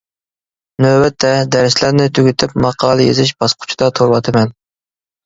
نۆۋەتتە، دەرسلەرنى تۈگىتىپ ماقالە يېزىش باسقۇچىدا تۇرۇۋاتىمەن.